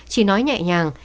chỉ nói nhẹ nhàng